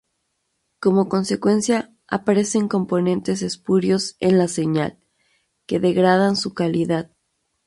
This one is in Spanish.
Como consecuencia, aparecen componentes espurios en la señal, que degradan su calidad.